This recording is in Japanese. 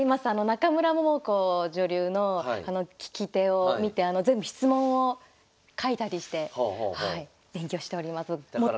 中村桃子女流の聞き手を見て全部質問を書いたりしてはい勉強しております。